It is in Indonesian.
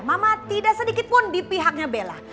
mama tidak sedikitpun di pihaknya bella